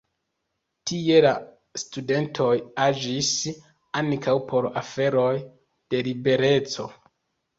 Tie la studentoj agis ankaŭ por aferoj de libereco.